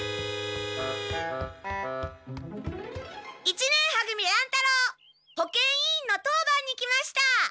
一年は組乱太郎保健委員の当番に来ました！